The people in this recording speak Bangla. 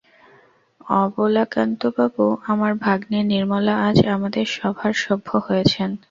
অবলাকান্তবাবু, আমার ভাগ্নী নির্মলা আজ আমাদের সভার সভ্য হয়েছেন।